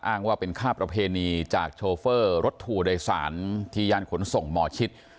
อ้างว่าเป็นค่าประเพณีจากโชเฟอร์รถทัวร์โดยสารที่ย่านขนส่งหมอชิด